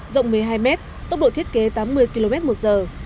rộng một mươi hai m tốc độ thiết kế tám mươi km một giờ